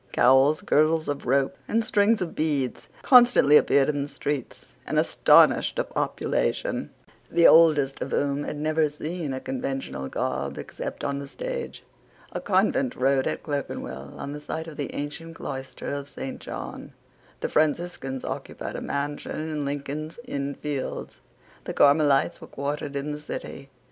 Cowls, girdles of ropes, and strings of beads constantly appeared in the streets, and astonished a population, the oldest of whom had never seen a conventual garb except on the stage. A convent rose at Clerkenwell on the site of the ancient cloister of Saint John. The Franciscans occupied a mansion in Lincoln's Inn Fields. The Carmelites were quartered in the City.